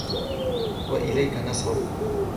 وَإِلَيْك نَسْعَى